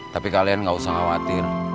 tapi kalian gak usah khawatir